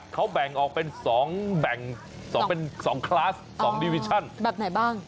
เขาแบ่งออกเป็น๒แบ่ง๒เป็น๒คลาส๒ดิวิชั่นแบบไหนบ้าง